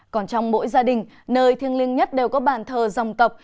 còn trong mỗi gia đình nơi thiêng liêng nhất đều có bàn thờ dòng tộc